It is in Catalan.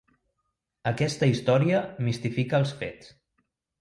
Aquesta història mistifica els fets.